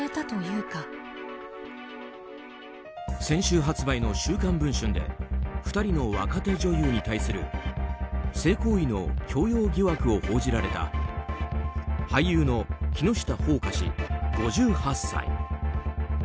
先週発売の「週刊文春」で２人の若手女優に対する性行為の強要疑惑を報じられた俳優の木下ほうか氏、５８歳。